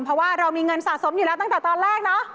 เพราะว่าเรามีเงินสะสมอยู่แล้วตั้งแต่ตอนแรกเนาะ